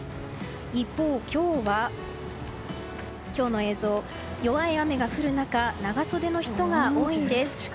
一方、今日は弱い雨が降る中長袖の人が多いんです。